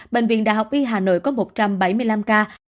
bệnh viện đại học y hà nội có một trăm bảy mươi năm ca